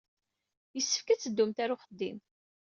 Yessefk ad teddumt ɣer uxeddim.